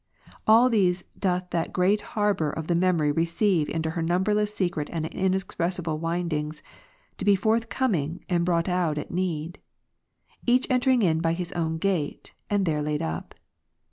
All these doth that great harbour of the memory receive in her numberless secret and inexpressible windings, to be forthcoming, and brought out at need; each entering in by his own gate, and there laid up.